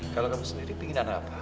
kalau kamu sendiri pingin anak apa